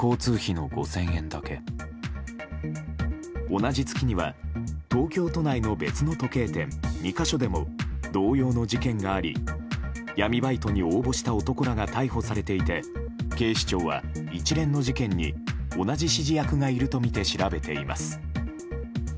同じ月には東京都内の別の時計店２か所でも同様の事件があり闇バイトに応募した男らが逮捕されていて警視庁は一連の事件に同じ指示役がいるとみて調べています。